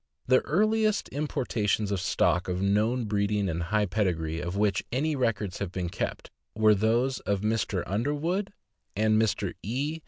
The earliest importations of stock of known breeding and high pedigree, of which any records have been kept, were those of Mr. Underwood and Mr. E.